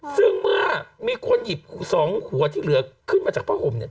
ซึ่งเมื่อมีคนหยิบสองหัวที่เหลือขึ้นมาจากผ้าห่มเนี่ย